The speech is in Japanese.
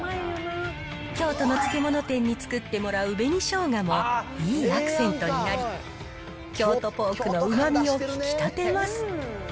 京都の漬物店に作ってもらう紅しょうがも、いいアクセントになり、京都ポークのうまみを引き立てます。